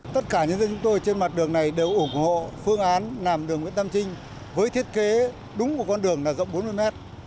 tất cả những dân chúng tôi trên mặt đường này đều ủng hộ phương án làm đường nguyễn tam trinh với thiết kế đúng của con đường là rộng bốn mươi m